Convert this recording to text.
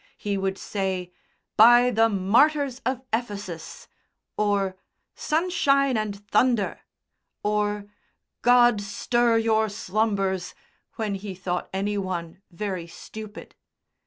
He would say, "by the martyrs of Ephesus!" or "Sunshine and thunder!" or "God stir your slumbers!" when he thought any one very stupid.